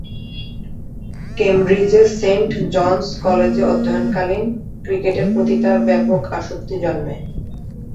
কেমব্রিজের Saint John's কলেজে অধ্যয়নকালীন ক্রিকেটের প্রতি তার ব্যাপক আসক্তি জন্মে।